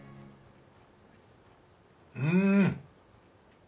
うん！